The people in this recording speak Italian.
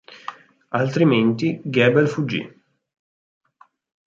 Altrimenti Gebel fuggì.